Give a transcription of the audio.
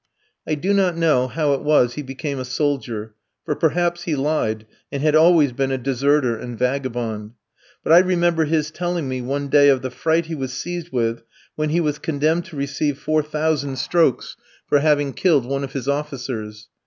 I do not know how it was he became a soldier, for perhaps he lied, and had always been a deserter and vagabond. But I remember his telling me one day of the fright he was seized with when he was condemned to receive 4,000 strokes for having killed one of his officers.